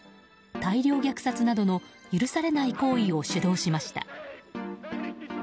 大量虐殺などの許されない行為を主導しました。